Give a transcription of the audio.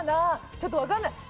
ちょっとわかんない。